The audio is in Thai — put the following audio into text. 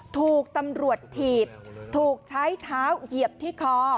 ถูกตำรวจถีบถูกใช้เท้าเหยียบที่คอ